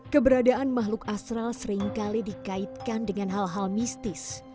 keberadaan makhluk astral seringkali dikaitkan dengan hal hal mistis